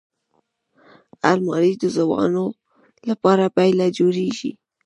الماري د ځوانو لپاره بېله جوړیږي